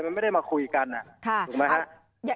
มันไม่ได้มาคุยกันถูกไหมฮะ